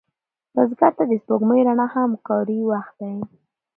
بزګر ته د سپوږمۍ رڼا هم کاري وخت دی